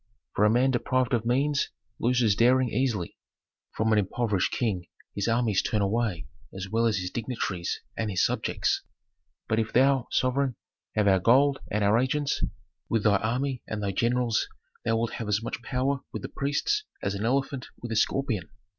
For a man deprived of means loses daring easily; from an impoverished king his armies turn away as well as his dignitaries and his subjects. But if thou, sovereign, have our gold and our agents, with thy army and thy generals thou wilt have as much trouble with the priests as an elephant with a scorpion.